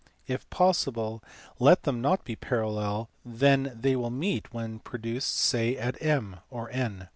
If possible let them not be parallel, then they will meet when produced say at M (or N).